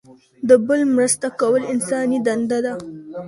د بل مرسته کول انساني دنده ده.